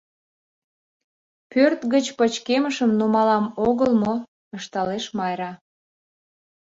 — Пӧрт гыч пычкемышым нумалам огыл мо? — ышталеш Майра.